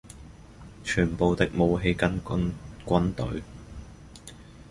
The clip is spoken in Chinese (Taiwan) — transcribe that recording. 全部的武器跟軍隊